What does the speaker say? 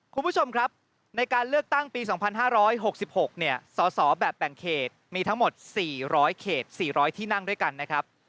คุณผู้ชมครับในการเลือกตั้งปี๒๕๖๖เนี่ยสอสอแบบแบ่งเขตมีทั้งหมด๔๐๐เขต๔๐๐ที่นั่งด้วยกันนะครับ